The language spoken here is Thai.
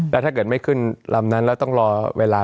แล้วถ้าเกิดไม่ขึ้นลำนั้นแล้วต้องรอเวลา